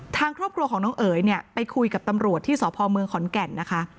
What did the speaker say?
ทางครอบครัวของน้องเอ๋ยเนี่ยไปคุยกับตำรวจที่สพเมืองขอนแก่นนะคะ